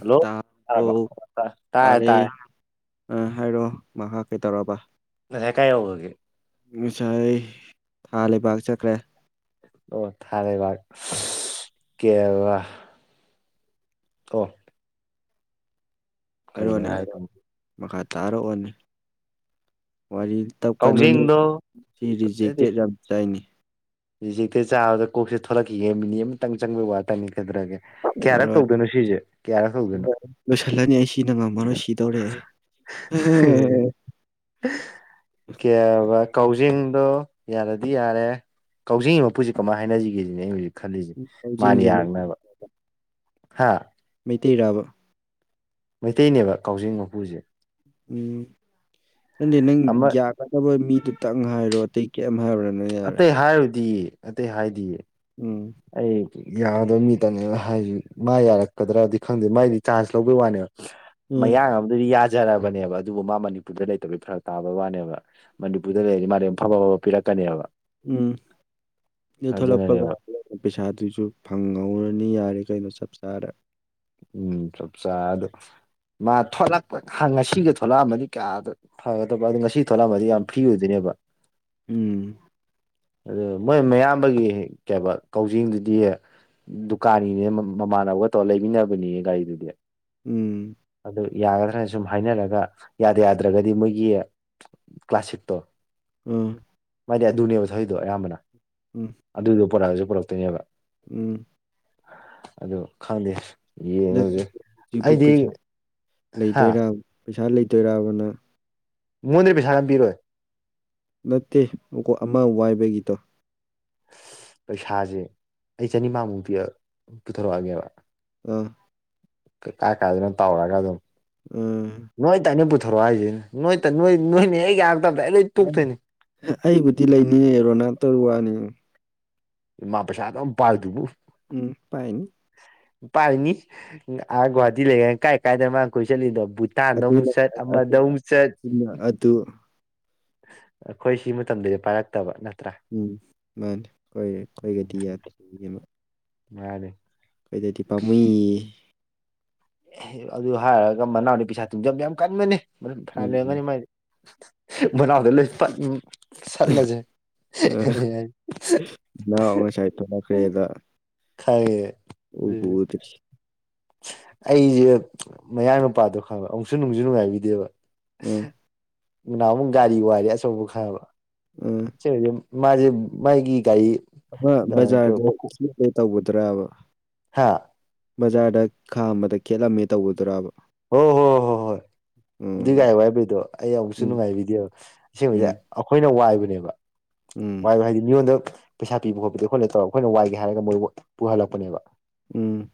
Hello ꯇꯥꯕ ꯇꯥꯔꯕ ꯑꯣ ꯇꯥꯔꯦ ꯇꯔꯩ ꯇꯥꯔꯦ ꯑ ꯍꯥꯏꯔꯛꯑꯣ ꯃꯍꯥꯛꯥ ꯀꯩ ꯇꯧꯔꯕ ꯅ ꯍꯦ ꯀꯥꯏ ꯍꯒꯒꯦ ꯉꯁꯥꯏ ꯊꯥ ꯂꯩꯕꯥꯛ ꯆꯠꯈ꯭ꯔꯦ ꯑꯣ ꯊꯔꯦꯕꯔ ꯀꯦ ꯋꯥ [unintelligible] ꯀꯔꯤꯅꯣ ꯍꯥꯏꯔꯣꯅꯦ ꯍꯥꯏ ꯍꯥꯏꯔꯣꯅꯦ ꯃꯈꯥ ꯇꯥꯔꯛꯑꯣꯅꯦ ꯋꯥꯔꯤ ꯇꯞꯀꯅꯨꯅꯦ ꯀꯥꯎꯖꯤꯡꯗꯣ ꯁꯤ ꯔꯤꯖꯦꯛꯇꯦꯠ ꯌꯥꯝ ꯆꯥꯏꯅꯤ ꯍꯧꯖꯤꯛꯇ ꯆꯥꯕꯗ ꯀꯣꯛꯁꯦ ꯊꯣꯛꯂꯛꯈꯤꯒꯦ ꯃꯤꯅꯤ ꯑꯃꯨꯇꯪ ꯆꯪꯕꯒꯤ ꯋꯥꯇꯅꯤ ꯗ꯭ꯔꯒꯦ ꯀꯌꯥꯔꯛ ꯍꯥꯏꯔꯣꯏ ꯇꯧꯗꯣꯏꯅꯣ ꯁꯤꯁꯦ ꯀꯌꯥꯔꯛ ꯇꯧꯗꯣꯏꯅꯣ ꯂꯣꯏꯁꯤꯜꯂꯅꯤ ꯑꯩ ꯁꯤꯅ ꯉꯝꯃꯔꯣꯏ ꯁꯤꯗꯧꯔꯦ ꯑꯩ ꯀꯌꯥꯔꯕ ꯀꯥꯎꯖꯤꯡꯗꯣ ꯌꯥꯔꯗꯤ ꯌꯥꯔꯦ ꯀꯥꯎꯖꯤꯡꯒꯤ ꯃꯄꯨꯁꯤ ꯀꯃꯥꯏꯅ ꯍꯥꯏꯅꯁꯤꯒꯦꯁꯤꯅꯦ ꯑꯩ ꯍꯧꯖꯤꯛ ꯈꯜꯂꯤꯁꯦ ꯃꯥꯅꯤ ꯀꯥꯎꯖꯦꯡꯁꯦ ꯌꯥꯔꯅꯕ ꯍꯥ ꯃꯩꯇꯩ ꯔꯥꯕ ꯃꯩꯇꯩꯅꯦꯕ ꯀꯥꯎꯖꯤꯡ ꯃꯄꯨꯁꯦ ꯎꯝ ꯈꯪꯗꯦ ꯅꯪ ꯑꯃ ꯌꯥꯒꯗꯕ ꯃꯤꯗꯨꯇꯪ ꯍꯥꯏꯔꯣ ꯑꯇꯩ ꯀꯔꯤꯝ ꯍꯥꯏꯔꯨꯔ ꯑꯇꯩ ꯍꯥꯏꯔꯨꯗꯤꯌꯦ ꯑꯇꯩ ꯍꯥꯏꯗꯤꯌꯦ ꯎꯝ ꯌꯥꯒꯗꯣꯏꯕ ꯃꯤꯇꯅꯦꯅ ꯍꯥꯏꯁ ꯃꯥ ꯌꯥꯔꯛꯀꯗ꯭ꯔꯗꯤ ꯈꯪꯗꯦ ꯃꯥꯏꯗꯤ ꯆꯥꯟꯖ ꯂꯧꯕꯩ ꯋꯥꯅꯦꯕ ꯎꯝ ꯃꯌꯥꯡ ꯑꯃꯗꯗꯤ ꯌꯥ ꯐꯖꯔꯕꯅꯦꯕ ꯑꯗꯨꯕꯨ ꯃꯥ ꯃꯅꯤꯄꯨꯔꯗ ꯂꯩꯇꯕꯤꯩ ꯐꯔꯛ ꯇꯥꯕ ꯋꯥꯅꯦꯕ ꯃꯅꯤꯄꯨꯔꯗ ꯂꯩꯔꯤꯗꯤ ꯃꯥ ꯑꯐ ꯑꯐꯕ ꯄꯤꯔꯛꯀꯅꯦꯕ ꯎꯝ ꯏꯊꯂꯛꯄꯒ ꯑꯗꯨꯅꯅꯦꯕ ꯄꯩꯁꯥꯗꯨꯁꯨ ꯐꯪꯍꯧꯔꯅꯤ ꯌꯥꯔꯦ ꯀꯩꯅꯣ ꯆꯞ ꯆꯥꯔ ꯎꯝ ꯆꯞ ꯆꯗ ꯃꯥ ꯊꯣꯛꯂꯛꯄ ꯉꯁꯤꯒ ꯊꯣꯛꯂꯛꯑꯃꯗꯤ ꯀꯌꯥꯗ ꯐꯒꯗꯕ ꯑꯗꯨ ꯉꯁꯤ ꯊꯣꯛꯣꯂꯥꯃꯗꯤ ꯌꯥꯝ ꯐ꯭ꯔꯤ ꯑꯣꯏꯗꯣꯏꯅꯦꯕ ꯎꯝ ꯑꯗꯨ ꯃꯣꯏ ꯃꯌꯥꯝꯕꯒꯤ ꯀꯩꯕ ꯀꯥꯎꯖꯤꯡꯗꯨꯗꯤ ꯗꯨꯀꯥꯟꯒꯤꯅꯦ ꯃꯃꯥꯟꯅꯕꯒ ꯇꯧꯔꯒ ꯂꯩꯃꯤꯟꯅꯕꯅꯤꯅꯦ ꯒꯥꯔꯤꯗꯨꯗꯤ ꯎꯝ ꯑꯗꯨ ꯌꯥꯒꯗ꯭ꯔꯅ ꯁꯨꯝ ꯍꯥꯏꯅꯔꯒ ꯌꯥꯗ ꯌꯥꯗ꯭ꯔꯒꯗꯤ ꯃꯣꯏꯒꯤ ꯀ꯭ꯂꯥꯁꯤꯛꯇꯣ ꯎꯝ ꯃꯥꯗꯤ ꯑꯗꯨꯅꯦꯕ ꯊꯗꯣ ꯑꯌꯥꯝꯕꯅ ꯑꯗꯨꯗꯣ ꯄꯣꯔꯛꯑꯁꯨ ꯄꯨꯔꯛꯇꯣꯏꯅꯦꯕ ꯎꯝ ꯑꯗꯨ ꯈꯪꯗꯦ ꯅꯪ ꯌꯦꯡꯉꯁꯦ ꯑꯩꯗꯤ ꯍꯥ ꯂꯩꯇꯣꯏꯔ ꯄꯩꯁꯥ ꯂꯩꯇꯣꯏꯔꯕꯅ ꯃꯣꯟꯗꯒꯤ ꯄꯩꯁꯥ ꯉꯝꯕꯤꯔꯣꯏ ꯅꯠꯇꯦ ꯃꯀꯣ ꯑꯃ ꯋꯥꯏꯕꯒꯤꯇꯣ ꯄꯩꯁꯥꯁꯦ ꯑꯩ ꯆꯅꯤꯃꯥꯃꯨꯛ ꯄꯨꯊꯣꯔꯛꯑꯒꯦꯕ ꯑꯥ ꯀꯩꯀꯥꯏ ꯀꯥꯏꯗꯅ ꯇꯧꯔꯒ ꯑꯗꯨꯝ ꯑ ꯊꯧꯔꯛꯏꯁꯤꯅꯦ ꯅꯣꯏꯣꯏ ꯅꯣꯏꯅꯦ ꯑꯩꯒ ꯑꯩꯕꯨꯗꯤ ꯂꯩꯅꯤꯡꯉꯦ ꯔꯣꯅꯥꯜꯗꯣ ꯋꯥꯅꯤ ꯃꯥ ꯄꯩꯁꯥꯗ ꯄꯥꯗꯨꯕꯨ ꯎꯝ ꯄꯥꯏꯅꯤ ꯄꯥꯏꯅꯤ ꯑꯒꯨꯍꯥꯇꯤ ꯂꯩꯒꯦ ꯀꯥꯏ ꯀꯥꯏꯅꯤ ꯃꯥ ꯀꯣꯏꯁ ꯆꯠꯂꯤꯗꯣ ꯚꯨꯇꯥꯟꯗ ꯑꯃꯨꯛ ꯑꯗꯨꯅ ꯆꯠ ꯑꯗꯨ ꯑꯃꯗ ꯑꯃꯨꯛ ꯆꯠ ꯑꯗꯨꯅ ꯑꯗꯨ ꯑꯩꯈꯣꯏ ꯁꯤ ꯃꯇꯝꯗꯗꯤ ꯄꯥꯏꯔꯛꯇꯕ ꯅꯠꯇ ꯎꯝ ꯃꯥꯅꯦ ꯑꯩꯈꯣꯏ ꯑꯩꯈꯣꯏꯒꯗꯤ ꯌꯥꯗꯦ ꯃꯥꯅꯦ ꯑꯩꯈꯣꯏꯗꯗꯤ ꯄꯥꯝꯃ ꯑꯗꯨ ꯍꯥꯏꯔꯒ ꯃꯅꯥꯎꯗꯤ ꯄꯩꯁꯥ ꯇꯨꯡꯖꯟꯕ ꯌꯥꯝ ꯀꯟꯒꯅꯤ ꯐ ꯎꯝ ꯂꯩꯔꯝꯒꯅꯤ ꯃꯥꯏꯗꯤ ꯅꯥꯎꯗ ꯂꯣꯏ ꯆꯠꯂꯖꯦ ꯑ ꯏꯅꯥꯎ ꯉꯁꯥꯏ ꯊꯣꯛꯂꯛꯈ꯭ꯔꯦꯗ ꯈꯥꯏꯌꯦ ꯎꯕꯨ ꯎꯗꯔꯤ ꯑꯩꯁꯦ ꯃꯌꯥꯡ ꯅꯨꯄꯥꯥꯗꯣ ꯈꯪꯕ ꯑꯃꯨꯛꯁꯨ ꯅꯨꯡꯁꯨ ꯅꯨꯡꯉꯥꯏꯕꯤꯗꯦꯕ ꯎꯝ ꯃꯅꯥ ꯑꯃꯨꯛ ꯒꯥꯔꯤ ꯋꯥꯔꯤꯦ ꯑꯆꯧꯕ ꯈꯕ ꯎꯝ ꯃꯥꯖꯦ ꯃꯒꯤ ꯕꯖꯥꯔꯗ ꯖꯤꯄꯦ ꯇꯧꯕꯗꯨꯔꯕ ꯍꯥꯥ ꯕꯖꯥꯔꯗ ꯈꯥꯝꯕꯗ ꯈꯦꯠꯂꯝꯃꯦ ꯇꯧꯕꯗꯨꯔꯕ ꯍꯣ ꯍꯣ ꯍꯣ ꯍꯣꯏ ꯑꯗꯨ ꯎꯝ ꯒꯥꯔꯝ ꯋꯥꯏꯕꯩꯗꯣ ꯑꯩ ꯑꯃꯨꯛꯁꯨ ꯎꯝ ꯅꯨꯡꯉꯥꯏꯕꯤꯗꯦꯕ ꯑꯁꯦꯡꯕꯗꯤ ꯑꯩꯈꯣꯏꯅ ꯋꯥꯏꯕ ꯅꯦꯕ ꯎꯝ ꯋꯥꯏ ꯍꯥꯏꯖꯦ ꯃꯤꯉꯣꯟꯗ ꯄꯩꯁꯥ ꯄꯤꯕ ꯈꯣꯠꯄꯗ ꯈꯣꯠꯅ ꯇꯧꯔꯒ ꯑꯩꯈꯣꯏꯅ ꯋꯥꯏꯒꯦ ꯍꯥꯏꯔꯒ ꯃꯣꯏꯕꯨ ꯄꯨꯍꯜꯂꯛꯄꯅꯦꯕ ꯎꯝ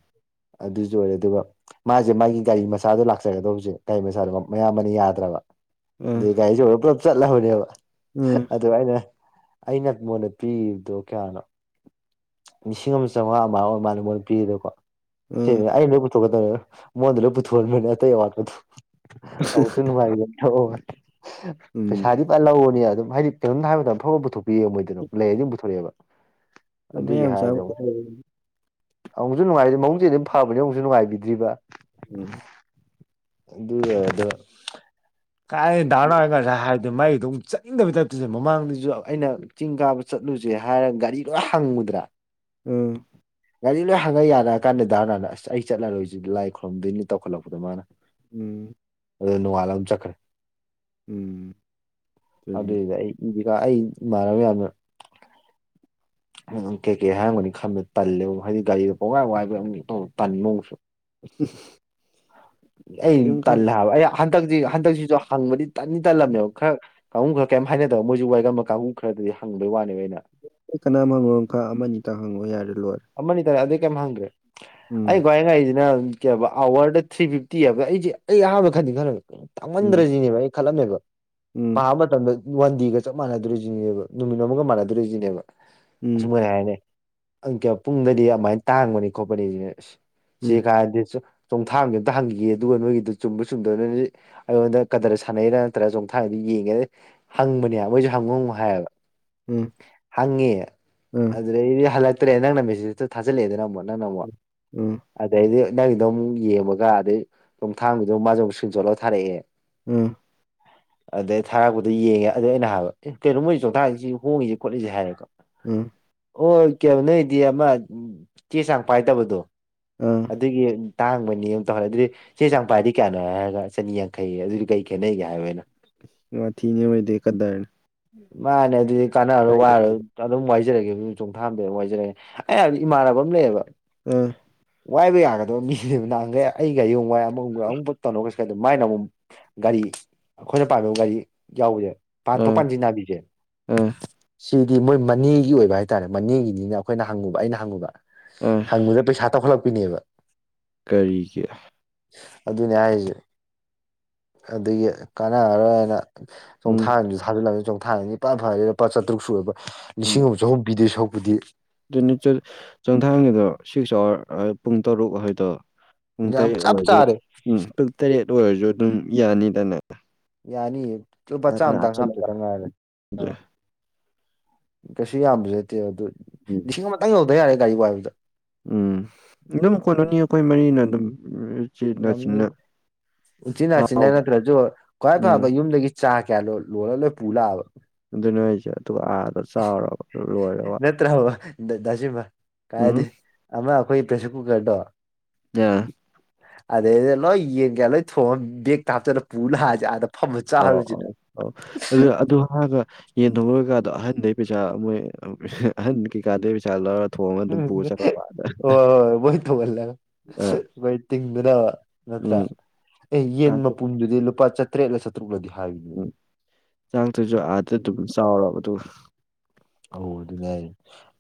ꯑꯗꯨꯁꯨ ꯑꯣꯏꯔꯦ ꯑꯗꯨꯒ ꯃꯥꯁꯦ ꯃꯥꯒꯤ ꯒꯥꯔꯤ ꯃꯁ ꯃꯆꯥꯗ ꯂꯥꯛꯆꯒꯗꯧꯕꯁꯦ ꯒꯥꯔꯤ ꯃꯆꯥꯗꯨ ꯃꯌꯥꯝꯕꯅ ꯌꯥꯗ꯭ꯔꯕ ꯑ ꯑꯗꯩ ꯒꯥꯔꯤ ꯑꯆꯧꯕꯗ ꯄꯨꯂꯞ ꯆꯠꯂꯕꯅꯦꯕ ꯑ ꯑꯗꯨ ꯑꯩꯅ ꯑꯩꯅꯉꯣꯟꯗ ꯄꯤꯕꯗꯣ ꯀꯌꯥꯅꯣ ꯂꯤꯁꯤꯡ ꯑꯃ ꯆꯩꯉꯥ ꯑꯃꯥꯏ ꯃꯥꯂꯦ ꯃꯣꯟ ꯄꯤꯔꯤꯗꯀꯣ ꯑ ꯑꯩꯅ ꯂꯣꯏ ꯄꯨꯊꯣꯛꯄꯗ ꯃꯥꯉꯣꯟꯗ ꯂꯣꯏ ꯄꯨꯊꯣꯛ ꯍꯟꯕꯅꯦ ꯑꯥꯇꯩ ꯑꯋꯥꯠꯄꯥꯗꯣ ꯑꯁꯨꯛ ꯅꯨꯡꯉꯥꯏꯇꯦꯅ ꯄꯤꯊꯣꯛꯑꯕꯅꯦ ꯄꯩꯁꯥꯗꯤ ꯎꯝ ꯄꯥ ꯂꯧꯕꯅꯤ ꯑꯗꯨꯝ ꯍꯥꯏꯗꯤ ꯀꯩꯅꯝ ꯍꯥꯏꯕꯗ ꯑꯐꯕ ꯄꯨꯊꯣꯛꯄꯤꯑꯦꯕ ꯃꯣꯏꯗꯤ ꯑꯗꯨꯝ ꯂꯩꯔ ꯑꯗꯨꯝ ꯄꯨꯊꯣꯔꯛꯑꯦꯕ ꯑꯗꯨꯒꯤ ꯃꯌꯥꯝ ꯆꯥꯕ ꯍꯥꯏꯗꯤ ꯑꯃꯨꯛ ꯀꯩꯗꯧꯔꯒꯦ? ꯑꯃꯨꯛꯁꯨ ꯅꯨꯡꯉꯥꯏꯇꯦ ꯃꯕꯨꯛ ꯆꯦꯜꯗꯤ ꯑꯗꯨꯝ ꯐꯕꯅꯦ ꯑꯃꯨꯛꯁꯨ ꯅꯨꯡꯉꯥꯏꯕꯤꯗ꯭ꯔꯤꯕ ꯎꯝ ꯑꯗꯨꯗ ꯀꯥꯏ ꯗꯥ ꯅꯥꯎꯅ ꯉꯁꯥꯏ ꯍꯥꯏ ꯃꯤꯒꯗꯣ ꯑꯃꯨꯛ ꯆꯠꯅꯤꯡꯗꯕ ꯇꯥꯏꯞꯇꯖꯨ ꯃꯃꯥꯡꯗꯁꯨ ꯑꯩꯅ ꯆꯤꯡ ꯀꯥꯕ ꯆꯠꯂꯨꯁꯦ ꯍꯥꯏꯔꯒ ꯒꯥꯔꯤ ꯂꯣꯏ ꯍꯪꯕ ꯗ꯭ꯔꯥ ꯎꯝ ꯒꯥꯔꯤ ꯂꯣꯏ ꯍꯪꯉꯒ ꯌꯥꯔꯛꯑ ꯀꯥꯟꯗ ꯗꯥ ꯍꯔꯥꯟ ꯑꯁ ꯑꯩ ꯆꯠꯂꯔꯣꯏꯁꯤꯗꯤ ꯂꯥꯏ ꯈꯨꯣꯏꯔꯝꯗꯣꯏꯅꯤ ꯇꯧꯈꯠꯂꯛꯄꯗ ꯃꯥꯅ ꯎꯝ ꯑꯗꯨꯗ ꯅꯣꯡꯉꯥꯜꯂ ꯑꯗꯨꯝ ꯆꯠꯈꯥꯔꯦ ꯎꯝ ꯑꯗꯨꯅꯤ ꯑꯗꯨꯏꯗ ꯑꯩ ꯏꯗꯤꯀꯥ ꯑꯩ ꯏꯃꯥꯟꯅꯕ ꯃꯌꯥꯝꯅ [inaudible] ꯎꯝ ꯀꯩ ꯀꯩ ꯍꯥꯏꯔꯝꯒꯅꯤ ꯈꯟꯕꯗ ꯇꯜꯂꯦꯕ ꯍꯥꯏꯗꯤ ꯒꯥꯔꯤꯗꯣ ꯄꯥꯋꯥꯏ ꯋꯥꯏꯕꯒꯤ ꯇꯟꯕ ꯃꯨꯛꯁꯨ [unintelligible] ꯑ ꯀꯔꯤꯝ ꯈꯜ ꯇꯜꯂꯦ ꯍꯥꯏꯕ ꯑꯩ ꯍꯟꯗꯛꯇꯤ ꯍꯟꯗꯛꯁꯤꯁꯨ ꯍꯪꯕꯗꯤ ꯇꯟꯗꯤ ꯇꯜꯂꯝꯕꯃꯦꯕ ꯈꯔ ꯀꯥꯡꯕꯨ ꯈꯔ ꯀꯩꯝ ꯍꯥꯏꯅꯗꯕ ꯃꯣꯏꯁꯨ ꯋꯥꯏꯒꯝꯕ ꯀꯥꯡꯕꯨ ꯈꯔꯗꯤ ꯍꯪꯕꯒꯤ ꯋꯥꯅꯦꯕ ꯑꯩꯅ ꯀꯅꯥꯝ ꯍꯪꯉꯣꯅꯣ ꯈꯔ ꯑꯃ ꯑꯅꯤꯇ ꯍꯪꯉꯣ ꯌꯥꯔꯦ ꯂꯣꯏꯔꯦ ꯑꯃꯅꯤ ꯑꯅꯤ ꯇꯔꯦ ꯑꯗꯨꯩ ꯀꯩꯝ ꯍꯪꯗ꯭ꯔꯦ ꯑꯩ ꯎꯝ ꯈꯋꯥꯏ ꯉꯥꯛꯏꯁꯤꯅ ꯀꯩ ꯍꯥꯏꯕ ꯑꯋꯥꯔꯗ ꯊ꯭ꯔꯤ ꯐꯤꯐꯇꯤꯕ ꯑꯩꯁꯦ ꯑꯩ ꯑꯍꯥꯟꯕ ꯈꯟꯗꯤ ꯈꯜꯂꯝꯃꯦ ꯎꯝ ꯇꯥꯡꯃꯟꯗ꯭ꯔꯁꯤꯅꯦꯕ ꯑꯩ ꯈꯜꯂꯝꯃꯦꯕ ꯎꯝ ꯄꯥꯕ ꯃꯇꯝꯗ ꯋꯥꯟ ꯗꯦꯒ ꯆꯞ ꯃꯥꯟꯅꯗꯣꯔꯤꯁꯤꯅꯦꯕ ꯅꯨꯃꯤꯠ ꯑꯃꯒ ꯃꯥꯟꯅꯗꯣꯔꯤꯁꯤꯅꯦꯕ ꯑꯁ ꯎꯝ ꯃꯣꯏꯅ ꯍꯥꯏꯔꯤꯅꯦ ꯄꯨꯡꯗꯗꯤ ꯑꯗꯨꯃꯥꯏꯅ ꯇꯥꯡꯕꯅꯤ ꯈꯣꯠꯄꯅꯤ ꯁꯤ ꯎꯝ ꯀꯥꯟꯔꯗꯤ ꯆꯣꯡꯊꯥꯡꯗꯤ ꯑꯝꯇ ꯍꯪꯈꯤ ꯑꯗꯨꯒ ꯅꯣꯏꯒꯤꯗꯨ ꯆꯨꯝꯕ ꯆꯨꯝꯗꯕꯅ ꯑꯩꯉꯣꯟꯗ ꯀꯗꯔ ꯁꯥꯟꯅꯩꯔꯥ ꯅꯠꯇ꯭ꯔꯒ ꯆꯣꯡꯊꯥꯡ ꯌꯦꯡꯉꯦ ꯍꯪꯕꯅꯦꯕ ꯃꯣꯏꯁꯨ ꯍꯪꯉꯧ ꯍꯥꯏꯌꯦꯕ ꯎꯝ ꯍꯪꯉꯦ ꯑ ꯑꯗꯨꯗꯩꯗꯤ ꯍꯜꯂꯛꯇ꯭ꯔꯦ ꯅꯪꯅ ꯃꯦꯁꯦꯁ ꯊꯥꯖꯤꯜꯂꯛꯑꯦꯅ ꯑꯃꯨꯛ ꯅꯪꯅ ꯑꯃꯨꯛ ꯎꯝ ꯑꯗꯩꯗꯤ ꯅꯪꯒꯤꯗꯣ ꯑꯃꯨꯛ ꯌꯦꯡꯉꯒ ꯑꯗꯩ ꯆꯣꯡꯊꯥꯡꯒꯤꯗ ꯃꯥꯁꯨ ꯑꯃꯨꯛ ꯁꯀ꯭ꯔꯤꯟꯁꯣꯠ ꯂꯧꯔ ꯊꯥꯔꯛꯑꯦ ꯎꯝ ꯑꯗꯩ ꯊꯥꯔꯛꯄꯗ ꯌꯦꯡꯉꯦ ꯑꯗꯩ ꯑꯩꯅ ꯍꯥꯏꯕ ꯀꯩꯅꯣ ꯃꯣꯏ ꯆꯣꯡꯊꯥꯛꯁꯤ ꯍꯣꯡꯉꯁꯤꯦ ꯈꯣꯠꯂꯤꯁꯦ ꯍꯥꯏꯔꯦꯀꯣ ꯎꯝ ꯑꯣ ꯀꯩꯅꯣ ꯅꯣꯏꯗꯤ ꯑꯃ ꯆꯦ ꯆꯥꯡ ꯄꯥꯏꯗꯕꯗꯣ ꯑꯥ ꯑꯗꯨꯒꯤ ꯇꯥꯡꯕꯅꯤ ꯑꯃ ꯇꯧꯍꯜꯂꯦ ꯑꯗꯨꯗꯤ ꯆꯦ ꯆꯥꯡꯐꯥꯏꯗꯤ ꯀꯌꯥꯅꯣ ꯍꯥꯏꯔꯒ ꯆꯅꯤ ꯌꯥꯡꯈꯩ ꯑꯗꯨꯗꯤ ꯀꯩ ꯈꯦꯠꯅꯩꯒꯦ ꯍꯥꯏꯕꯣꯏꯅ ꯃ ꯊꯅꯦ ꯃꯗꯗꯥ ꯍꯥꯏꯅ ꯃꯥꯅꯦ ꯑꯗꯨꯗꯤ ꯀꯥꯟꯅꯔ ꯋꯥꯔ ꯑꯗꯨꯝ ꯋꯥꯏꯖꯔꯒꯦ ꯆꯣꯡꯊꯥꯝꯗ ꯑꯗꯨꯝ ꯋꯥꯏꯖꯔꯒꯦ ꯑꯩ ꯍꯥꯏꯗꯤ ꯏꯃꯥꯟꯅꯕ ꯑꯃ ꯂꯩꯌꯦꯕ ꯑ ꯋꯥꯏꯕ ꯌꯥꯒꯗꯕ ꯃꯤꯅꯦꯕ ꯅꯍꯥꯟꯒꯩ ꯑꯩꯒ ꯑꯌꯡ ꯋꯥꯏ ꯑꯃ ꯑꯃꯨꯛ ꯇꯧꯔꯒ ꯑꯗꯨ ꯃꯥꯏꯅ ꯑꯃꯨꯛ ꯒꯥꯔꯤ ꯑꯩꯈꯣꯏꯅ ꯄꯥꯝꯃꯤꯕ ꯒꯥꯔꯤ ꯌꯥꯎꯕꯁꯦ ꯑ ꯄꯟꯊꯣꯛ ꯄꯟꯖꯤꯟ ꯌꯥꯕꯤꯁꯦ ꯑ ꯁꯤꯗꯤ ꯃꯣꯏ ꯃꯅꯦꯒꯤ ꯑꯣꯏꯕ ꯍꯥꯏꯇꯥꯔꯦ ꯃꯅꯦꯒꯤꯅꯤꯅ ꯑꯩꯈꯣꯏꯅ ꯍꯪꯉꯨꯕ ꯑꯩꯅ ꯍꯪꯉꯨꯕ ꯑ ꯍꯪꯕꯗ ꯄꯩꯁꯥ ꯇꯧꯈꯠꯂꯛꯄꯤꯅꯦꯕ ꯀꯔꯤꯒꯤ ꯑꯗꯨꯅꯦ ꯍꯥꯏꯔꯤꯁꯦ ꯑꯗꯨꯗꯒꯤ ꯀꯥꯟꯅꯔꯔꯣꯏ ꯍꯥꯏꯅ ꯆꯣꯡꯊꯥ ꯎꯝ ꯑꯃ ꯊꯥꯖꯤꯜꯂꯂꯝꯕꯅꯤ ꯆꯣꯡꯊꯥꯅꯤ ꯂꯄꯥ ꯐꯔꯦ ꯂꯨꯄꯥ ꯆꯥꯇ꯭ꯔꯨꯛ ꯁꯨ ꯑꯣꯏꯕ ꯂꯤꯁꯤꯡ ꯑꯃ ꯆꯍꯨꯝ ꯄꯤꯗꯣꯏ ꯁꯔꯨꯛ ꯑꯗꯨꯗꯤ ꯆꯨꯝꯊꯥꯡꯒꯤꯗꯣ ꯁꯤꯛꯁ ꯑꯋꯥꯔ ꯄꯨꯡ ꯇꯔꯨꯛ ꯍꯥꯏꯗꯣ ꯄꯨꯡ ꯌꯥꯝ ꯇꯔꯦꯠ ꯆꯞ ꯑꯣꯏꯔꯁꯨ ꯆꯥꯔꯦ ꯎꯝ ꯄꯨꯡ ꯇꯔꯦꯠ ꯑꯣꯏꯔꯁꯨ ꯑꯗꯨꯝ ꯌꯥꯅꯤꯗꯅ ꯌꯥꯅꯤꯌꯦ ꯂꯨꯄꯥ ꯄꯩꯁꯥ ꯈꯔ ꯆꯥꯝꯃꯇꯪ ꯍꯥꯞꯆꯜꯂꯒ ꯍꯥꯞꯇꯧꯗ ꯉꯥꯏꯔꯦ ꯑꯥ ꯀꯩꯁꯨ ꯌꯥꯝꯕꯁꯨ ꯅꯠꯇꯦꯕ ꯑꯗꯨ ꯎꯝ ꯂꯤꯁꯤꯡ ꯑꯃꯇꯪ ꯌꯧꯗꯔ꯭ꯗꯤ ꯌꯥꯔꯦ ꯒꯥꯔꯤ ꯍꯥꯏꯕꯗ ꯎꯝ ꯑꯗꯨꯝ ꯀꯣꯟꯅꯅꯤꯌꯦ ꯑꯩꯈꯣꯏ ꯃꯔꯤꯅ ꯑꯗꯨꯝ ꯅ ꯆꯤꯟꯅ ꯆꯤꯟꯅ ꯎ ꯆꯤꯟꯅꯥ ꯆꯤꯟꯅꯥ ꯊꯥꯎ ꯅꯠꯇ꯭ꯔꯁꯨ ꯈ꯭ꯋꯥꯏ ꯐꯕ ꯎꯝ ꯌꯨꯝꯗꯒꯤ ꯆꯥ ꯀꯌꯥ ꯂꯣ ꯂꯣꯏꯔ ꯂꯣꯏ ꯄꯨꯂꯛꯑꯕ ꯑꯗꯨꯅꯤ ꯍꯥꯏꯖ ꯅꯠꯇ꯭ꯔꯕꯥ ꯎꯝ ꯀꯥꯏꯗ ꯑꯃ ꯑꯩꯈꯣꯏ ꯄ꯭ꯔꯦꯁꯔ ꯀꯨꯀꯔꯗꯣ ꯑ ꯑꯗꯩꯩꯗ ꯂꯣꯏ ꯌꯦꯟ ꯀꯩꯀꯥ ꯊꯣꯉꯒꯥ ꯕꯒ ꯇꯥ ꯍꯄꯆꯤꯜꯂꯒ ꯄꯨꯔꯥ ꯂꯛꯑꯖꯦ ꯑ ꯑ ꯑꯧ ꯑꯗꯨ ꯑꯗꯨ ꯍꯥꯏꯔꯒ ꯌꯦꯟ ꯊꯣꯡꯕ ꯀꯩꯀꯗꯣ ꯑꯍꯟ ꯑꯗꯨ ꯄꯩꯁꯥ ꯃꯣꯏ ꯑꯍꯟ ꯀꯩꯀꯗꯩꯩ ꯄꯩꯁꯥ ꯂꯧꯔꯅꯤ ꯍ ꯍꯣꯏ ꯣꯏ ꯑ ꯊꯧꯒꯜꯂꯦꯣꯏ ꯇꯤꯡꯗ ꯭ꯔ ꯎꯝ ꯑꯦ ꯌꯦꯟ ꯆꯥꯛ ꯃꯄꯨꯝꯗꯨꯗꯤ ꯂꯨꯄꯥ ꯆꯥꯇ꯭ꯔꯦꯠꯂ ꯆꯥꯇ꯭ꯔꯨꯛꯂꯗꯤ ꯍꯥꯏꯕꯅꯤ ꯎꯝ ꯆꯥꯡ ꯊꯣꯏꯁꯨ ꯑꯥꯗ ꯑꯗꯨꯝ ꯆꯥꯎꯔꯕꯔꯕ ꯑꯗꯨꯒ ꯑ ꯑꯗꯨ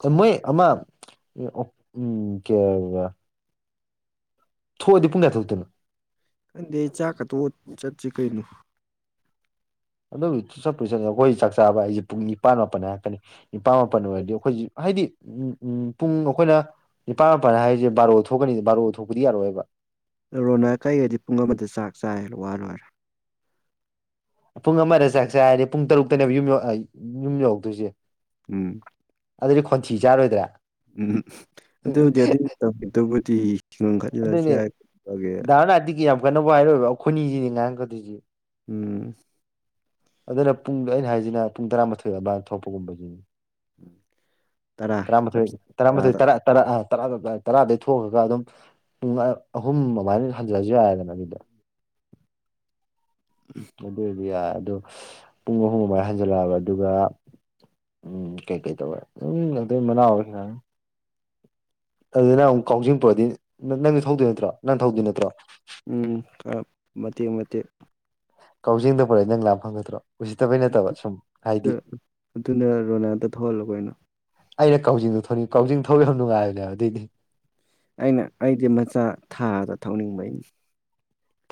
ꯌꯥ ꯃꯣꯏ ꯑꯃ ꯎꯝ ꯀꯌꯥ ꯊꯣꯛꯑꯗꯤ ꯄꯨꯡ ꯀꯌꯥ ꯊꯣꯛꯇꯣꯏꯅ ꯈꯪꯗꯦ ꯑꯩ ꯆꯥꯛꯀꯥ ꯇꯣꯛꯂꯒꯥ ꯆꯠꯁꯤ ꯀꯩꯅꯣ ꯑꯗꯨ ꯆꯠꯄꯨ ꯆꯠꯅꯤ ꯑꯩꯈꯣꯏ ꯆꯥꯛ ꯆꯥꯕ ꯑꯩꯁꯦ ꯄꯨꯡ ꯅꯤꯄꯥꯟ ꯃꯥꯄꯟ ꯍꯥꯏꯔꯛꯀꯅꯤ ꯅꯤꯄꯥꯜ ꯃꯥꯄꯟ ꯑꯣꯏꯔꯗꯤ ꯑꯩꯈꯣꯏꯁꯤ ꯍꯥꯏꯗꯤ ꯎꯝ ꯎꯝ ꯄꯨꯡ ꯑꯩꯈꯣꯏꯅ ꯅꯤꯄꯥꯟ ꯃꯄꯜ ꯍꯥꯏꯔꯛꯀꯅꯤ ꯕꯥꯔꯣ ꯊꯣꯛꯀꯅꯤ ꯕꯥꯔꯣ ꯊꯣꯛꯄꯗꯤ ꯌꯥꯔꯛꯔꯣꯏꯕ ꯔꯣꯅꯥ ꯀꯩ ꯍꯥꯏꯗꯤ ꯄꯨꯡ ꯑꯃꯗ ꯆꯥꯛ ꯆꯥꯏ ꯋꯥ ꯂꯣꯏꯔꯦ ꯄꯨꯡ ꯑꯃꯗ ꯆꯥꯛ ꯆꯥꯏ ꯍꯥꯏꯔꯗꯤ ꯄꯨꯡ ꯇꯔꯨꯛꯇꯅꯦꯕ ꯌꯨꯝ ꯌꯨꯝ ꯌꯧꯔꯧꯛꯇꯣꯏꯁꯦ ꯎꯝ ꯑꯗꯨꯗꯤ ꯈꯣꯟꯊꯤ ꯆꯥꯔꯣꯏꯗ꯭ꯔꯥ ꯎꯝ ꯑꯗꯨꯕꯨꯗꯤ ꯑꯗꯨꯒꯤ ꯇꯕꯨꯗꯤ ꯑꯗꯨꯏꯅꯦ ꯙꯔ ꯅꯥꯇꯤꯒꯤ ꯌꯥꯝ ꯀꯟꯅꯕꯨ ꯍꯥꯏꯔꯣꯏꯕ ꯑꯩꯈꯣꯏꯅꯤꯁꯤꯅꯦ ꯉꯥꯏꯍꯥꯛ ꯀꯗꯣꯏꯁꯦ ꯎꯝ ꯑꯗꯨꯅ ꯄꯨꯡꯗꯣ ꯑꯩꯅ ꯍꯥꯏꯁꯤꯅ ꯄꯨꯡ ꯇꯔꯥꯃꯥꯊꯣꯏ ꯑꯗꯨꯋꯥꯏꯗ ꯊꯣꯛꯄꯒꯨꯝꯕꯁꯤꯅꯤ ꯇꯔꯥ ꯇꯔꯥꯃꯊꯣꯏ ꯆꯞ ꯆꯥꯔꯦ ꯇꯔꯥꯃꯊꯣꯏ ꯇꯔꯥꯗ ꯇꯔꯥ ꯇꯔꯥ ꯇꯔꯥꯗ ꯊꯣꯛꯑꯒ ꯑꯗꯨꯝ ꯄꯨꯡ ꯑꯍꯨꯝ ꯑꯗꯨꯃꯥꯏ ꯍꯟꯖꯔꯁꯨ ꯌꯥꯏꯔꯦꯗꯅ ꯑꯗꯨꯗ [inaudible] ꯑꯗꯨ ꯑꯣꯏꯔꯗꯤ ꯌꯥꯔ ꯑꯗꯣ ꯄꯨꯡ ꯑꯍꯨꯝ ꯑꯗꯨꯥꯏ ꯍꯟꯖꯤꯜꯂꯛꯑꯕ ꯑꯗꯨꯒ ꯎꯝ ꯀꯩ ꯀꯩ ꯇꯕꯥꯏ ꯎꯝ ꯑꯗꯨ ꯃꯅꯥꯑꯣ ꯑꯗꯨꯅ ꯑꯃꯨꯛ ꯀꯥꯎꯖꯤꯡ ꯄꯨꯔꯗꯤ ꯅꯪꯗꯤ ꯊꯧꯗꯣꯏ ꯅꯠꯇ꯭ꯔꯣ ꯅꯪ ꯊꯧꯗꯣꯏ ꯅꯠꯇ꯭ꯔꯣ ꯎꯝ ꯈꯔ ꯃꯇꯦꯛ ꯃꯇꯦꯛ ꯀꯛꯖꯤꯡꯗ ꯐꯔꯦ ꯅꯪ ꯂꯥꯛꯞ ꯐꯪꯒꯗ꯭ꯔꯣ ꯎꯁꯤꯠꯇꯕꯩ ꯅꯠꯇꯕ ꯁꯨꯝ ꯍꯥꯏꯗꯤ ꯑꯗꯨꯅ ꯔꯣꯅꯥꯗ ꯊꯣꯛꯍꯜꯂꯣꯀꯩꯅꯣ ꯑꯩꯅ ꯀꯥꯎꯖꯤꯡꯗꯣ ꯊꯅꯤꯡ ꯀꯥꯎꯖꯤꯡ ꯊꯧ ꯌꯥꯝ ꯅꯨꯡꯉꯥꯏꯕꯅꯦ ꯑꯗꯨꯑꯣꯏꯗꯤ ꯑꯩꯅ ꯑꯩꯗꯤ ꯃꯆꯥ ꯊꯥꯗ ꯊꯧꯅꯤꯡꯕꯩꯅꯤ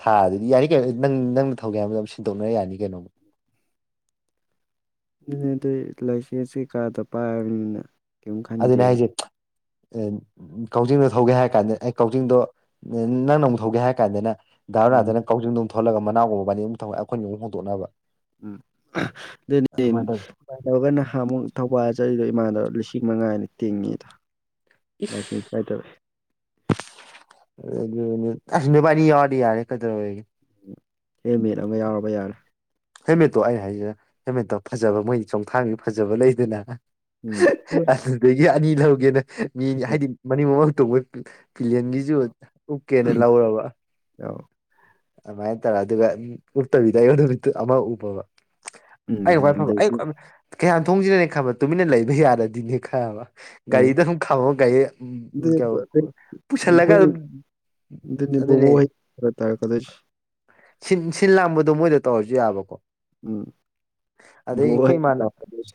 ꯊꯥ ꯑꯗꯨꯗꯤ ꯌꯥꯅꯤ ꯀꯩꯅꯣ ꯅꯪ ꯅꯪꯅ ꯊꯧꯒꯦꯕꯗ ꯑꯗꯨꯝ ꯁꯤꯟꯗꯣꯛꯅꯔ ꯌꯥꯅꯤ ꯀꯩꯅꯣꯝ [inaudible] ꯑꯗꯨꯅꯦ ꯑꯗꯨ ꯂꯥꯏꯁꯦꯟꯁ ꯀꯩꯀꯥꯗ ꯄꯥꯏꯔꯕꯅꯤꯅ ꯀꯔꯤꯝ ꯈꯟꯗꯦꯕ ꯀꯛꯖꯤꯡꯗꯣ ꯊꯧꯒꯦ ꯍꯥꯏꯔ ꯀꯥꯟꯗ ꯑꯩ ꯀꯛꯖꯤꯡꯗꯣ ꯅꯪꯅ ꯑꯃꯨꯛ ꯊꯧꯒꯦ ꯍꯥꯏꯔ ꯀꯥꯟꯗꯅ ꯗꯥꯔ ꯎꯝ ꯅꯥꯗꯅ ꯀꯧ꯭ꯔꯤꯡꯣꯝ ꯊꯣꯛꯂꯒ ꯃꯅꯥꯒꯨꯝꯕꯕꯥꯅꯤ ꯑꯃꯝꯧꯉꯒ ꯑꯩꯈꯣꯏꯅꯒꯨ ꯍꯗꯣꯛꯅꯕ ꯎꯝ ꯑꯗꯨ ꯇꯧ ꯏꯃ ꯇꯧꯔꯒ ꯅꯍꯥꯟ ꯑꯃꯨꯛ ꯊꯧꯕꯥꯜ ꯆꯗꯣ ꯏꯃꯥꯟꯅꯅꯕꯧꯔ ꯂꯤꯁꯤꯡ ꯆꯍꯤ ꯃꯉꯥꯅ ꯇꯤꯡꯉꯤꯗ ꯂꯥꯏꯁꯦꯟꯁ ꯀꯥꯏꯗꯔꯛꯑꯦ ꯑꯗꯨ ꯑꯁ ꯅꯨꯕꯥꯅꯤ ꯌꯥꯎꯔꯗꯤ ꯌꯥꯔꯦ ꯀꯗ꯭ꯔ ꯑꯣꯏꯒꯦ ꯍꯦꯜꯃꯦꯠ ꯑꯃ ꯌꯥꯎꯔꯕ ꯌꯥꯔꯦ ꯍꯦꯜꯃꯦꯠꯇꯣ ꯑꯩ ꯍꯥꯏꯁꯦ ꯍꯦꯜꯃꯦꯠꯇꯣ ꯐꯖꯕ ꯃꯣꯏꯗꯤ ꯆꯣꯡꯊꯥꯡꯒꯤ ꯐꯖꯕ ꯂꯩꯗꯅ ꯎꯝ ꯑꯗꯨꯗꯒꯤ ꯑꯅꯤ ꯂꯧꯒꯦꯅ ꯃꯤꯅꯤ ꯍꯥꯏꯗꯤ ꯃꯅꯤꯡ ꯃꯃꯜ ꯇꯣ ꯄꯤꯂꯤꯌꯟꯒꯤꯁꯨ ꯎꯞꯀꯦꯅ ꯂꯧꯔꯕ ꯌꯥꯎ ꯃꯥꯏ ꯇꯔ ꯑꯗꯨ ꯑꯗꯨꯒ ꯄꯨꯠꯇꯕꯤꯗꯣꯠꯇ ꯑꯃ ꯎꯕꯕ ꯎꯝ ꯑꯩ ꯈꯋꯥꯏ ꯐꯕ ꯑꯩ ꯑꯗꯒꯤ ꯀꯩꯌꯥ ꯊꯣꯡꯁꯤꯅꯅꯦ ꯈꯕ ꯇꯨꯃꯤꯟꯅ ꯂꯩꯕ ꯌꯥꯔꯗꯤꯅꯦ ꯈꯕ ꯎꯝ ꯒꯥꯔꯤꯗ ꯑꯗꯨꯨ ꯈꯥꯃꯣ ꯒꯥꯔꯤ ꯎꯝ ꯑꯗꯨꯅꯦ ꯀꯌꯥ ꯄꯨꯁꯜꯂꯒ ꯗꯤꯅꯤꯕꯣꯕ ꯍꯔ ꯇꯔꯦ ꯀꯗ ꯁꯤ ꯁꯤꯜ ꯂꯥꯛꯝꯕꯗꯣ ꯃꯣꯏꯗ ꯇꯧꯔꯁꯨ ꯌꯥꯕꯀꯣ ꯎꯝ ꯑꯗꯩ ꯕꯣꯕꯣꯛ ꯑꯩꯈꯣꯏ ꯍꯣꯏ ꯏꯃꯥꯟꯅ ꯂꯥꯛꯀꯗꯣꯏꯁꯦ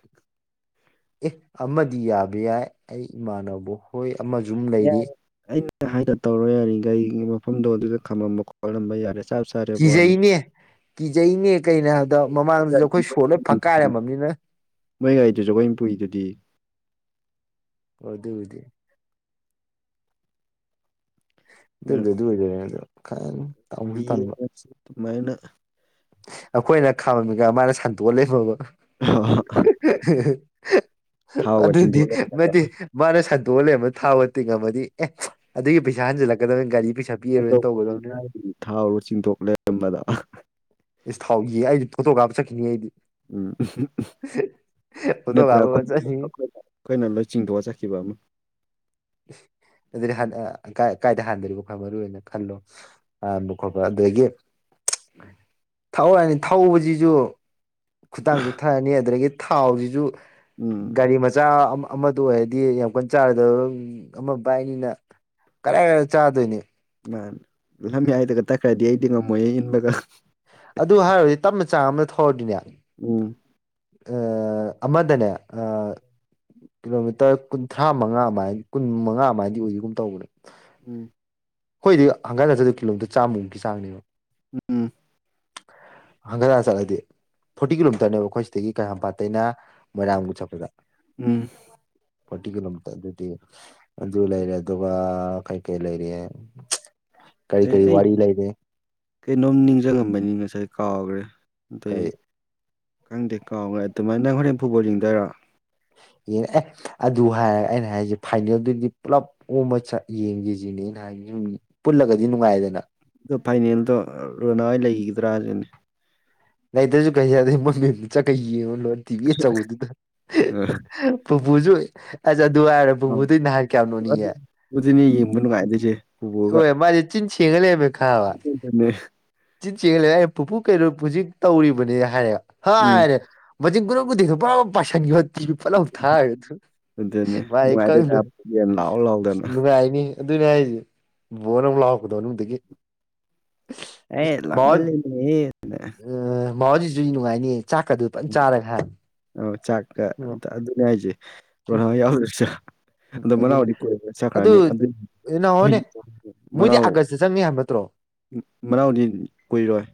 ꯑꯦ ꯑꯃꯗꯤ ꯌꯥꯕ ꯌꯥꯏ ꯑꯩ ꯏꯃꯥꯟꯅꯕ ꯍꯣꯏ ꯑꯃꯁꯝ ꯂꯩꯔꯤ ꯍꯥꯏꯗ ꯇꯧꯔꯣ ꯌꯥꯔꯤꯉꯔꯤꯒꯤ ꯃꯐꯝꯗꯣ ꯑꯗꯨꯗ ꯈꯝꯃꯝꯕ ꯈꯣꯠꯂꯝꯕ ꯌꯥꯔꯦ ꯆꯞ ꯆꯔꯦꯕꯣ ꯀꯤꯖꯩꯅꯦ ꯀꯤꯖꯩꯅꯦ ꯀꯩꯅ ꯍꯥꯏꯕꯗ ꯃꯃꯥꯡꯗꯁꯨ ꯑꯩꯈꯣꯏ ꯁꯣꯔ ꯂꯣꯏ ꯐꯛꯀꯥꯏꯔꯝꯃꯕꯅꯤꯅ ꯃꯣꯏ ꯒꯥꯔꯤꯗꯨ ꯖꯒꯣꯏ ꯏ ꯄꯨꯨꯏꯗꯨꯗꯤ ꯑꯗꯨ ꯍꯧꯗꯤ ꯑꯗꯨ ꯑꯗꯨ ꯑꯗꯨ ꯃ ꯈꯥꯏ ꯏꯁꯤ ꯃꯅ ꯑꯩꯈꯣꯏꯅ ꯈꯥꯝꯃꯤꯒ ꯃꯥꯅ ꯁꯟꯇꯣꯛꯑ ꯂꯩꯃꯕ ꯊꯥꯎꯒ ꯑꯗꯨꯗꯤ ꯆꯤꯡꯊꯣꯛ ꯂꯩꯔꯝꯕ ꯃꯗꯤ ꯃꯥꯅ ꯁ ꯗꯣꯜꯂ ꯑꯃꯅ ꯊꯥꯎꯕꯗꯤꯤꯡ ꯉꯝꯃꯗꯤ ꯑꯦ ꯑꯗꯨꯒꯤ ꯄꯩꯁꯥ ꯍꯟꯖꯤꯜꯂꯛꯀꯗꯕꯅꯤ ꯒꯥꯔꯤ ꯄꯩꯥ ꯆꯧꯕ ꯊꯥꯎꯔꯣ ꯆꯤꯡꯊꯣꯛ ꯂꯩꯔꯝꯕꯗ ꯏꯁ ꯊꯥꯎꯒꯤ ꯑꯩꯗꯤ ꯐꯣꯇꯣ ꯀꯥꯞ ꯆꯠꯈꯤꯅꯤ ꯑꯩꯗꯤ ꯎꯝ ꯐꯣꯇꯣ ꯅꯠꯇ꯭ꯔ ꯀꯥꯞꯄ ꯑꯩꯈꯣꯏꯅ ꯆꯠꯈꯤꯅꯤ ꯑꯩꯈꯣꯏꯅ ꯂꯣꯏ ꯆꯤꯡꯊꯣꯛꯑ ꯆꯠꯈꯤꯕ ꯑꯃ ꯑꯗꯨ ꯥꯏ ꯀꯥꯏꯗ ꯍꯥꯟꯗꯔꯤꯕ ꯈꯣꯏ ꯃꯔꯨꯅ ꯈꯜꯂꯣ ꯍꯥꯟꯕ ꯈꯣꯠꯄ ꯑꯗꯨꯗꯒꯤ [inaudible] ꯊꯔꯛꯅꯤ ꯊꯧꯕꯁꯤꯁꯨ ꯈꯨꯇꯥꯡ ꯆꯊꯔꯅꯤ ꯑꯗꯨꯗꯒꯤ ꯊꯥꯎꯁꯤꯁꯨ ꯎꯝ ꯒꯥꯔꯤ ꯃꯆꯥ ꯑꯃꯗꯨ ꯑꯣꯏꯔꯗꯤ ꯌꯥꯝ ꯀꯟꯅ ꯆꯥꯔꯗꯕ ꯑꯃ ꯕꯥꯏꯅꯤꯅ ꯀꯗꯥꯥꯏ ꯀꯥꯏꯗ ꯆꯥꯗꯣꯏꯅꯤ ꯃꯥꯅꯦ ꯂꯝꯌꯥꯏꯗꯒ ꯇꯛꯈ꯭ꯔꯗꯤ ꯑꯩꯗꯤ ꯉꯝꯃꯣꯏꯌꯦ ꯏꯟꯕꯒ ꯑꯗꯨ ꯍꯥꯏꯔꯨꯔꯗꯤ ꯇꯞꯅ ꯆꯥꯡ ꯑꯃꯗ ꯊꯧꯔꯗꯤꯅꯦ ꯎꯝ ꯑ ꯑꯃꯗꯅꯦ ꯑ ꯀꯤꯂꯣꯃꯤꯇꯔ ꯀꯨꯟꯊ꯭ꯔꯥ ꯃꯉꯥ ꯑꯃꯥꯏ ꯀꯨꯟ ꯃꯉꯥ ꯃꯥꯏꯗꯤ ꯑꯣꯏꯗꯒꯨꯝ ꯇꯧꯕꯅꯦ ꯎꯝ ꯍꯣꯏꯗꯤ ꯍꯪꯒꯠ ꯍꯗ ꯀꯤꯂꯣꯃꯤꯇꯔ ꯆꯥꯝꯃꯨꯛ ꯆꯥꯡꯅꯦꯕ ꯎꯝ ꯑꯪꯒꯥꯗ ꯆꯂꯗꯦ ꯐꯣꯔꯇꯤ ꯀꯤꯂꯣꯃꯤꯇꯔꯅꯦꯕ ꯑꯩꯈꯣꯏ ꯁꯤꯗꯒꯤ ꯀꯩꯥꯝꯄꯥꯇꯩꯩꯅ ꯃꯣꯏꯔꯥꯡꯕꯨ ꯆꯠꯄꯗ ꯎꯝ ꯐꯣꯔꯇꯤ ꯀꯤꯂꯣꯃꯤꯇꯔ ꯑꯗꯨꯗꯤ ꯑꯗꯨ ꯂꯩꯔꯦ ꯑꯗꯨꯒ ꯀꯩ ꯀꯩ ꯂꯩꯔꯤꯦ ꯑ ꯑꯩ ꯀꯩꯅꯣꯝ ꯅꯤꯡꯁꯤꯡꯂꯝꯕꯅꯤ ꯉꯁꯥꯏ ꯀꯥꯎꯈ꯭ꯔꯦ ꯑꯗꯩ ꯀꯔꯤ ꯈꯪꯗꯦ ꯀꯥꯎꯈꯦ ꯑꯗꯨꯃꯥꯏꯅ ꯅꯪ ꯍꯣꯔꯦꯟ ꯐꯨꯕꯣ ꯌꯦꯡꯗꯔ ꯑꯦ ꯑꯗꯨ ꯍꯥꯏꯔꯒ ꯑꯩꯅ ꯍꯥꯏꯔꯤꯁꯦ ꯐꯥꯏꯅꯦꯜꯗꯨꯗꯤ ꯄꯨꯂꯞ ꯑꯣꯃ ꯌꯦꯡꯒꯁꯤꯅꯦ ꯩꯅꯨꯝ ꯄꯨꯜꯂꯒꯗꯤ ꯅꯨꯡꯉꯥꯏꯗꯅ ꯑ ꯐꯥꯏꯅꯦꯜꯗꯣ ꯔꯣꯅꯥꯋꯥꯏ ꯂꯩꯈꯤꯒꯗ꯭ꯔꯥꯁꯤꯅꯦ ꯂꯩꯇ꯭ꯔꯁꯨ ꯀꯔꯤ ꯌꯥꯗꯦ ꯃꯦꯟ ꯆꯠꯀꯩ ꯌꯦꯡꯉꯣ ꯂꯣꯏ ꯊꯤꯕꯤ ꯑꯆꯧꯕꯗꯨꯗ ꯕꯨꯖꯣꯏ ꯑꯗꯨ ꯍꯥꯏꯔꯕꯨꯕꯨꯗ ꯅꯍꯥꯟ ꯀꯌꯥꯝ ꯅꯣꯅꯤꯡꯉꯦ ꯑꯗꯨꯅꯦ ꯌꯦꯡꯕ ꯅꯨꯡꯉꯥꯏꯗꯣꯏꯁꯦ ꯍꯣꯏ ꯃꯥꯁꯦ ꯆꯤꯟ ꯇꯒꯂꯦꯕ ꯅꯦ ꯆꯤꯟ ꯆꯦꯜꯂ ꯑꯩꯅ ꯄꯨꯄꯨ ꯀꯩꯅꯣ ꯄꯨꯖꯤꯛ ꯇꯧꯔꯤꯕꯅꯦ ꯍꯥꯏꯔꯦꯕ ꯍꯥꯏ ꯎꯝ ꯍꯥꯏꯔꯦ ꯃꯆꯤꯡꯒꯨꯔꯅꯕꯨꯗꯤꯦ ꯄꯨꯔꯥ ꯄꯥꯏꯁꯟꯒꯣꯠ ꯄꯠꯂ ꯑꯃ ꯊꯥꯈꯒꯁꯨ ꯑꯗꯨꯅꯦ ꯃꯥꯥꯏ ꯅꯨꯡꯉꯥꯏꯗꯣꯏꯅꯦ ꯀꯪꯅ ꯌꯦꯟ ꯂꯥꯎ ꯂꯥꯎꯗꯅ ꯅꯨꯡꯉꯥꯏꯅꯤ ꯑꯗꯨꯏꯅꯦ ꯑꯩꯁꯦ ꯕꯣꯅ ꯑꯃꯨꯛ ꯂꯥꯎꯛꯄꯗꯣ ꯃꯅꯨꯡꯗꯒꯤꯗꯒꯤ ꯑꯦ ꯂꯥꯛꯃꯜ ꯃꯥꯖꯤꯁꯨ ꯅꯨꯡꯉꯥꯏꯅꯤꯌꯦ ꯑ ꯆꯥꯛ ꯎꯝ ꯑꯗꯨꯅꯤ ꯍꯥꯏꯦ ꯄ ꯎꯝ ꯌꯥꯎꯗ ꯑꯗꯣ ꯑꯗꯨꯅꯦ ꯃꯔꯥꯎꯗꯤ ꯀꯣꯏꯔ ꯆꯈ꯭ꯔꯅꯤ ꯑꯗꯨ ꯅꯍꯣꯅꯦ ꯃꯣꯏꯗꯤ ꯃꯔꯥꯎ ꯑꯥꯒꯁꯇ ꯆꯪꯅꯤ ꯍꯥꯏꯕ ꯅꯠꯇ꯭ꯔꯣ ꯃꯅꯥꯎꯗꯤ ꯀꯨꯏꯔꯣꯏ